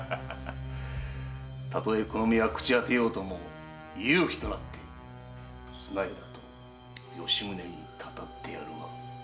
たとえこの身は朽ち果てようとも幽鬼となって綱條と吉宗に祟ってやるわ。